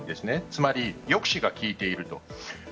つまり、抑止が効いていると。